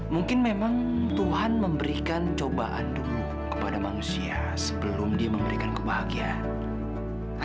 mungkin memang tuhan memberikan cobaan dulu kepada manusia sebelum dia memberikan kebahagiaan